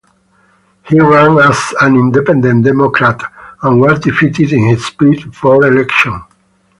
He ran as an Independent Democrat and was defeated in his bid for election.